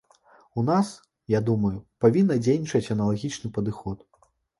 У нас, я думаю, павінна дзейнічаць аналагічны падыход.